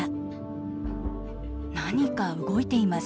何か動いています。